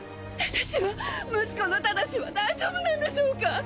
正は息子の正は大丈夫なんでしょうか？